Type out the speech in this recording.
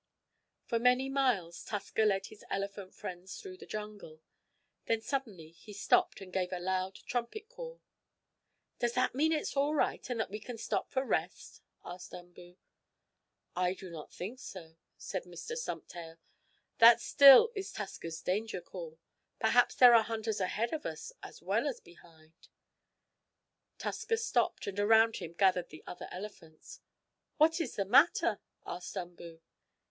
For many miles Tusker led his elephant friends through the jungle. Then suddenly he stopped and gave a loud trumpet call. "Does that mean it is all right, and that we can stop to rest?" asked Umboo. "I do not think so," said Mr. Stumptail. "That still is Tusker's danger call. Perhaps there are hunters ahead of us, as well as behind." Tusker stopped, and around him gathered the other elephants. "What is the matter?" asked Umboo.